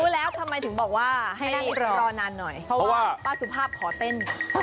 แล้วทำไมถึงบอกว่าให้รอนานหน่อยเพราะว่าป้าสุภาพขอเต้น